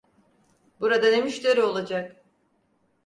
Burada ne müşteri olacak?